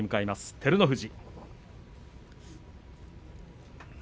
照ノ富士。